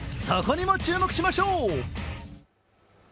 そこにも注目しましょう。